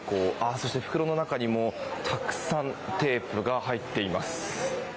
そして袋の中にもたくさんテープが入っています。